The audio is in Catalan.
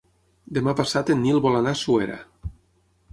Demà passat en Nil vol anar a Suera.